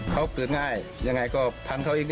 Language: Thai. เขาเกิดง่ายยังไงก็พังเขาเองก็